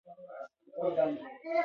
غیر عادلانه مداخله یې غندله.